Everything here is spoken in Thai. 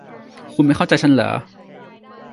คุณไม่เข้าใจฉันหรอ